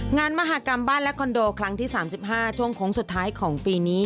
มหากรรมบ้านและคอนโดครั้งที่๓๕ช่วงโค้งสุดท้ายของปีนี้